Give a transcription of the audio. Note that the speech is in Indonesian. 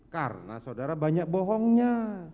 karena saudara banyak bohongnya